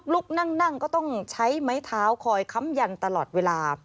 ลูกนั่งก็ต้องใช้ไม้เท้าคอยค้ำยันตลอดเวลา